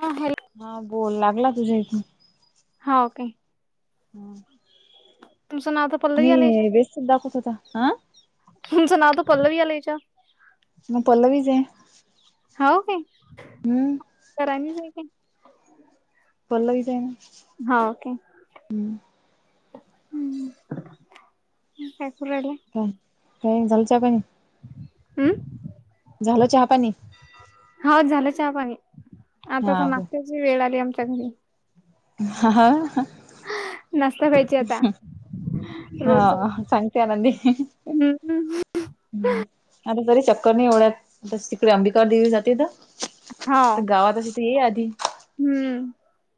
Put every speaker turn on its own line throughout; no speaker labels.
हा हॅलो.
हा बोल. लागला तुझ्या इथून?
हा. ओके.
ह.
तुमचं नाव तर पल्लवी आलं याच्यावर
व्यस्तच दाखवत होता. हा?
तुमचं नावं तर पल्लवी आलये इथं.
मी पल्लवीच आहे.
हाव काय?
हम्म
करानीच आहे काय?
पल्लवीच आहे ना.
हा ओके. हम्. [unintelligible]
काही. [unintelligible]
अं?
झालं चहापाणी?
हा. झालं चहापाणी. आता तर
हा
नाश्त्याची वेळ आली आमच्या घरी.
ह हा ह.
नाश्ता [unintelligible] रोज
हा. सांगते [unintelligible]
हम्म
हम्. आणि तरी चक्कर नाही एवढ्यात. तिकडे अंबिका देवीला जाते ना?
हा
तू गावामधे तर ये आधी.
हम्म.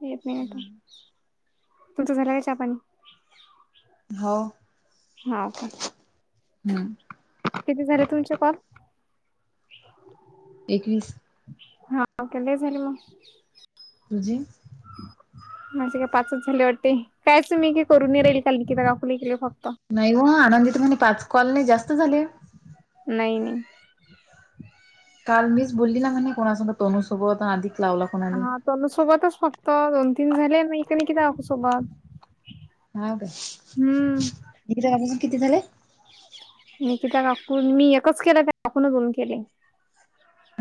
येत नाही आता. तुमचं झालं का चहा पाणी?
हो.
हा ओके.
हम्म.
किती झाले तुमचे कॉल?
एकवीस.
हा. लई झाले मग.
तुजी.
[unintelligible] माझे काय पाच झाले वाटते, कायच मी करून राहील काल निकिता काकुनी केले फक्त.
नाही वो आनंदी तुमानी पाच कॉल नाही जास्त झाले.
नाही नाही.
काल मीच बोलली ना म्हणे कोणासोबत तोनुसोबत अधिक लावला. कोणाला
हा तोनसोबतच फक्त दोन तीन झाले म निकिता काकू सोबत.
हां ग,
हम्म
निकिता काकू किती झाले?
निकिता काकू मी एकच केल त्या काकून दोन केले.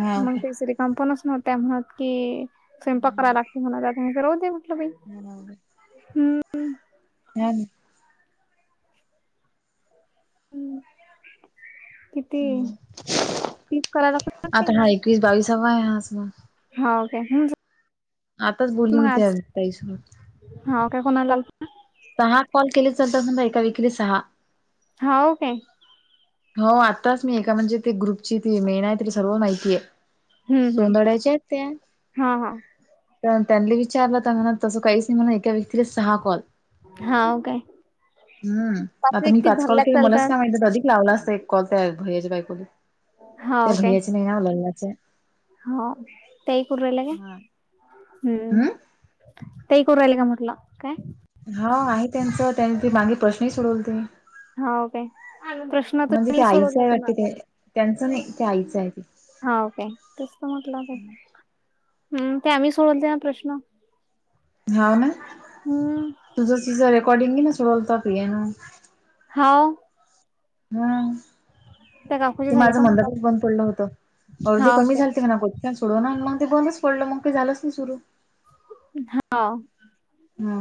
हा
म
ओके
तेसरी काम पण असणार तेव्हा के, स्वयंपाक करायला लागत म्हणा नाहीत राहुदे म.
[unintelligible]
हम.
हम्,
लागते
आता हा एकवीस बावीसावा आहे हास म.
हा का हून
आताच बोलली मी त्या ताईसोबत.
हा काय कोणाला आलता?
सहा कॉल केले चालत एका विकेले सहा.
हाव काय.
हो आत्ताच मी एका म्हणजे ते ग्रुपची ती मेन आहे तरी सर्व माहितीये.
हम्म हम्म
सोंदड्याच्या आहेत त्या.
हा हा
त्यांनले विचारलं तर म्हणा तसं काहीच नाही म्हन एका व्यक्तीला सहा कॉल.
हाव काय
हम्म, आता मी
व्यक्ती
पाच कॉल के
धरल्यात
मलाच काय
चालतात
माहिती अधिक लावल एक कॉल त्या भैययाच्या बायकोले, त्या भैयाचे नाही ना लग्नाचे.
हाव, ते ऐकून राहिल्या का.
हम्म.
तई ऐकून रहिल्या का म्हटल काय?
हा आहे त्यांचं त्यांनी त मागे प्रश्नही सोडवलं ते.
हाव काय प्रश्न तर
म्हणजे ते
मी
आईचं
सोडवला
आहे वाटते
माझा
ते, त्यांचं नाही ते आईच आहे ते.
हाव काय, तेच तर म्हटलं असल. हम् ते आम्ही सोडवल तेना प्रश्न.
हाव ना,
हम्म
तुझं तिझ रेकॉर्डिंग आहे ना सोडवलता प्रियान.
हाव.
हम,
त्या काकूचे
ते
झाले
माझं
का मग कॉल
मंडपच बंद पडलं होतं, अळदी
हाव
कमी
काय
झालती का नायगो. सोडवून म ते बंदच पडलं मग काय झालंच नाही सुरू.
हाव.
हा.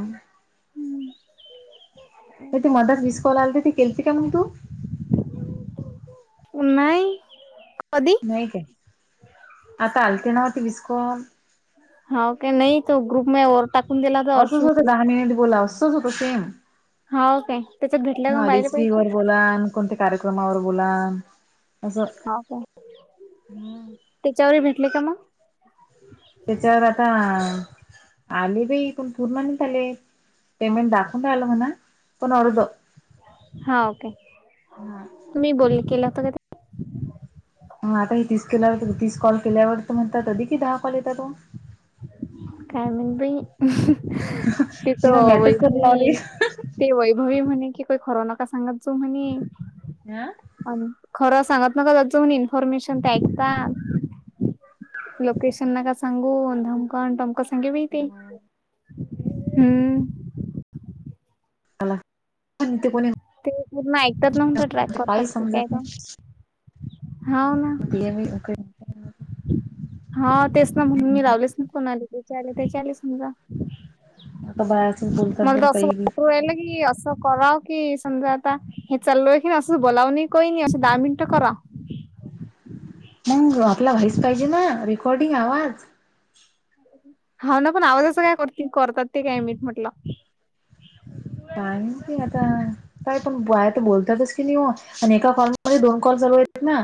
ये ते मदर वीस कॉल आलते ती केलती का म तू.
नाहीई, कधी?
नाही काय, आता आलते नाते वीस कॉल.
हाव का नाही तो ग्रुप [unintelligible] टाकून दिला तर अर्जुन.
फक्त दहा मिनिट बोला असच होत सेम,
हाव काय त्याच्यात भेटले का मग
[unintelligible]
बायले पैसे
वर बोला. कोणत्या कार्यक्रमावर बोला.
हाव का,
असं
त्याच्यावर भेटले का म.
त्याच्यावर आता, आले बाई पण पूर्ण नाहीत आले. पेमेंट दाखवून राहिला मना, पण अर्द.
हाव काय, तुम्ही बोल केलं होत का
आता हे तीस केल्यावर तीस कॉल केल्यावर पण होतात अधिकी दहा कॉल येतात म.
काय माहित बई, तेेत
तिला मॅटच करून लावली
वैभवी ते वैभवी म्हणे कि काही खरं नका सांगत जाऊ म्हणे.
हा.
आणि खरं सांगत न का त्याच म्ह इन्फॉर्मेशन ते ऐक का. लोकेशन ना का सांगू धमकन टम [unintelligible] हम्म
[unintelligible] कोणी
ते पूर्ण ऐकतात नात ट्रॅक
काही
करत काय
समजत
का
नाही
हो ना.
येमीला काय
हा तेच ना म्हणून मी लावलेच ना कोणाली त्याचे आले त्याचे आले समजा
आता बायासच बोलतात बरं
मला
काही बी
तर [unintelligible] राहिलं की असश कराव की समजा आता हे चाल क अ असध बोलावन कन अस दहा मनिट करा.
मंग आपला व्हाईस पाहिजे ना रेकॉर्डिंग आवाज.
हा ना पण आवाज असं काय कर करतात ते काय मी म्हटलं.
काय ते आता. काय पण बाय तर बोलतातच की नाही आणि एका कॉलमध्ये दोन कॉल चालू आहेत ना.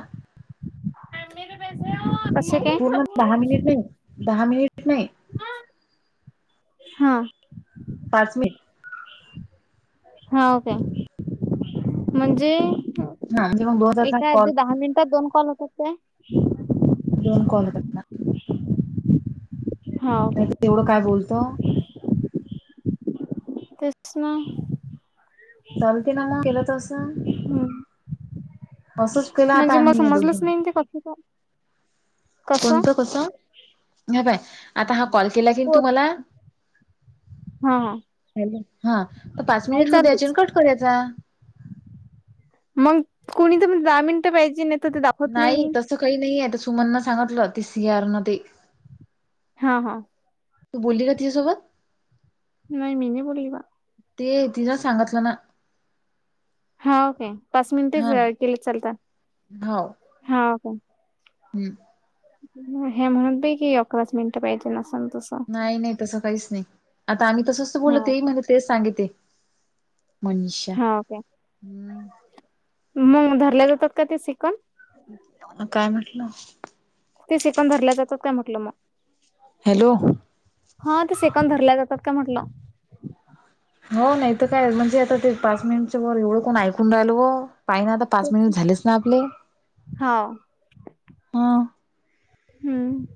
पैसे.
पूर्ण दहा मिनिट नाही दहा मिनिट. नाही
हा
पाच मिट
हा ओके म्हणजे
हा म्हणजे मग दोन जात ना
एका
कॉल
ह्याच्यात दहा मिनिटात दोन कॉल होतात काय.
दोन कॉल करन नाही ते एवढं काय बोलतो.
तेच ना.
चालते ना मग केलं तस,
हम
केलं आता
म्हणजे मला
आम्ही या
समजलंच
दोघीनी
नाही ते कस का.
कोणतं कस ह बाय आता हा कॉल केला की
हा
तुम्हाला.
हा
हा तर पाच
हाय
मिनिट हो द्यायचे
चालूच.
कट करायचा.
मग कोुणी तरण दहा मिनटं पाहिजे नाही. तर ते दाखवत
नाही तसं काही नाही आहेता सुमन सांगितलं ते सियारन ते
हा हा.
तू बोलली का तिच्यासोबत?
नाही मी नाही बोलली बा.
ते तिलां सांगितलं ना.
हा ओके! पाच मिनिटेच
हा
केले चालता. हा ओके!
हम्.
हे म्हणतय की अकराच मिनिटं पाहिजे असन तसं.
नाही नाही तसं काहीच नाही आता आम्ही तसंचं बोलत
हा
म्हण तेच सांगिते. मनष्य
हा ओके!
हम्म,
मग धरलेले होतात का ते शिकून.
काय म्हटलं.
ते सेकन धरल्या जात काय म्हटलं मग.
हॅलो!
हा ते सेकंद धरल्या जातात का म्हटलं.
हो नाही तर काय म्हणजे आता ते पाच मिनिटच्या वर एवढं कोण ऐकून राहिल हो पाहि ना आता. पाच मिनिट झालेच ना आपले.
हव
ह
हम्म!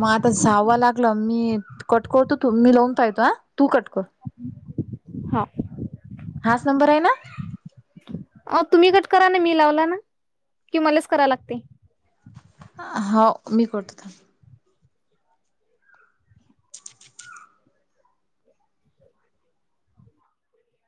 मग आता जावं लागलं मी कट करतो तू मी लावून पा येतो ह तू कट कर.
हा.
हाच नंबर आहे ना?
अ तुम्ही कट करा ना, मी लावला ना, कि मलाच करा लागते..
हो मी करतो थांबा.